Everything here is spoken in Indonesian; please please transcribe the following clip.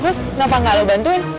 terus kenapa gak lo bantuin